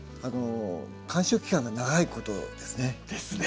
観賞期間が長いことですね。ですね。